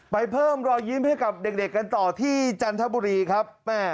เพิ่มรอยยิ้มให้กับเด็กกันต่อที่จันทบุรีครับ